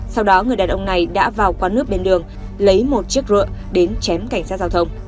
sau đó người đàn ông này đã vào quán nước bên đường lấy một chiếc rựa đến chém cảnh sát giao thông